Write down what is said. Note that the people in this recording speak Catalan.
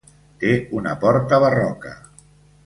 Té una porta barroca.